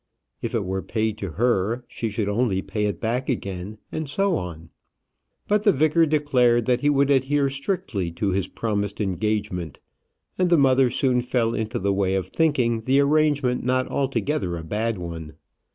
If it were paid to her, she should only pay it back again; and so on. But the vicar declared that he would adhere strictly to his promised engagement; and the mother soon fell into the way of thinking the arrangement not altogether a bad one.